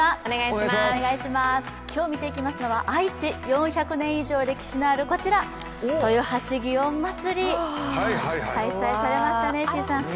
今日見ていきますのは、愛知４００年以上歴史のある豊橋祇園祭、開催されましたね、石井さん。